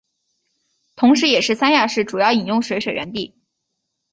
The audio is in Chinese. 同时也是三亚市主要饮用水水源地。